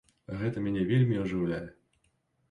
Гэта мяне вельмі ажыўляе!